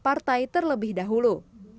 partai terlebih dahulu